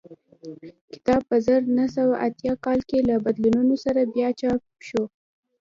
کتاب په زر نه سوه اتیا کال کې له بدلونونو سره بیا چاپ شو